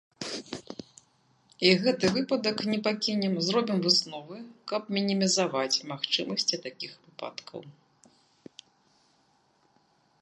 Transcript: І гэты выпадак не пакінем, зробім высновы, каб мінімізаваць магчымасці такіх выпадкаў.